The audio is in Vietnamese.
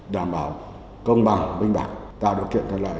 đảm bảo công bằng minh bản tạo đồ kiện thuận lợi